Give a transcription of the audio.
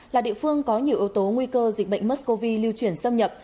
là địa phương có nhiều yếu tố nguy cơ dịch bệnh mers cov lưu chuyển xâm nhập